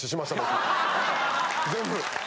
全部。